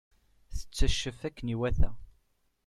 Tetteccef akken iwata.